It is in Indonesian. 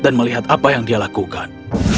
dan melihat apa yang dia lakukan